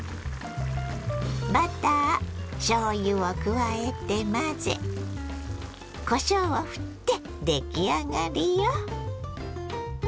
バターしょうゆを加えて混ぜこしょうをふって出来上がりよ。